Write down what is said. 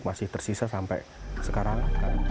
masih tersisa sampai sekarang